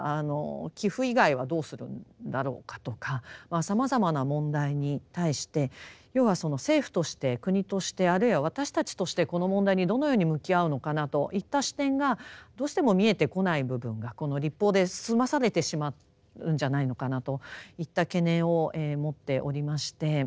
寄附以外はどうするんだろうかとかさまざまな問題に対して要はその政府として国としてあるいは私たちとしてこの問題にどのように向き合うのかなといった視点がどうしても見えてこない部分がこの立法で済まされてしまうんじゃないのかなといった懸念を持っておりまして。